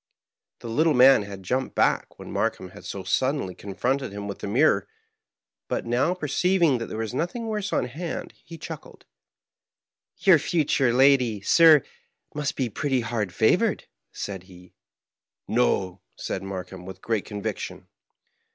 The little man had jumped back when Markheim Digitized by VjOOQIC MARKHEIM. 65 had so suddenly confronted him with the mirror; but now, perceiving there was nothing worse on hand, he chuckled. " Tour future lady, sir, must be pretty hard favored," said he. *^ No/' said Markheim, with great conviction.